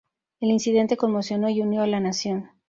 El incidente conmocionó y unió a la nación.